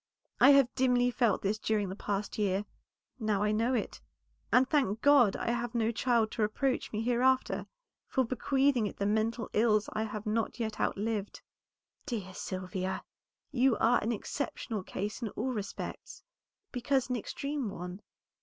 I have dimly felt this during the past year, now I know it, and thank God that I have no child to reproach me hereafter, for bequeathing it the mental ills I have not yet outlived." "Dear Sylvia, you are an exceptional case in all respects, because an extreme one.